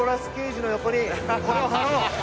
の横にこれを貼ろう。